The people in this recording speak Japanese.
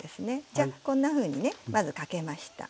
じゃあこんなふうにねまずかけました。